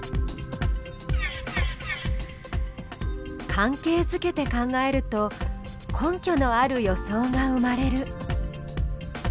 関係づけて考えると根拠のある予想が生まれる。